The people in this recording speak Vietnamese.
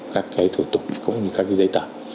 các cái thủ tục cũng như các cái giấy tả